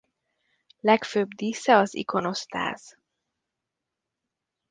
Legfőbb dísze az ikonosztáz.